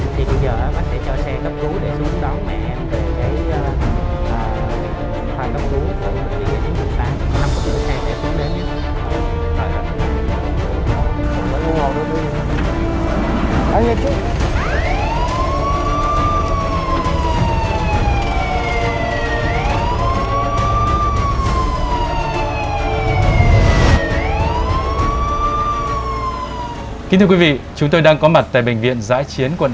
thì bây giờ bác sẽ cho xe cấp cứu để xuống đoan mẹ em về cái